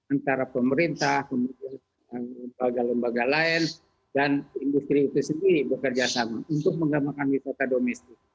antara pemerintah kemudian lembaga lembaga lain dan industri itu sendiri bekerja sama untuk menggambarkan wisata domestik